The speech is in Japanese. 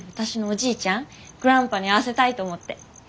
グランパに会わせたいと思って。